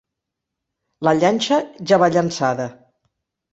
La llanxa ja va llançada.